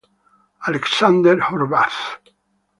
Alexander Horváth